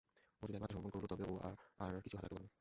ও যদি একবার আত্মসমর্পণ করল, তবে ও আর কিছু হাতে রাখতে পারে না।